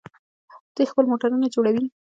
دوی خپل موټرونه جوړوي.